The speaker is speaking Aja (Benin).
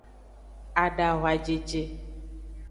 Adahwajeje.